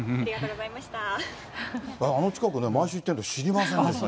あの近くね、毎週行ってるけど、知りませんでした。